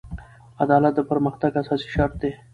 عدالت د پرمختګ اساسي شرط دی.